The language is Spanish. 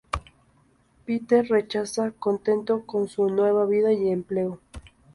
Peter rechaza, contento con su nueva vida y empleo.